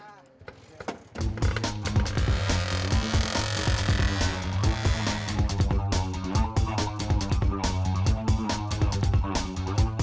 tidak ada yang bisa dikunci